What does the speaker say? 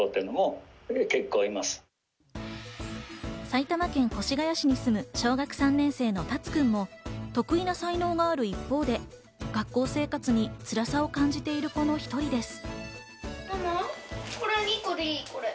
埼玉県越谷市に住む小学３年生のタツくんも特異な才能がある一方で、学校生活に辛さを感じている子の一人です。